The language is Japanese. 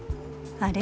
あれ？